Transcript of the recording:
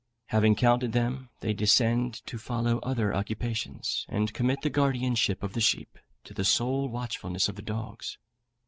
Having counted them, they descend to follow other occupations, and commit the guardianship of the sheep to the sole watchfulness of the dogs.